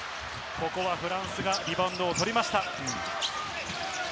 ここはフランスがリバウンドを取りました。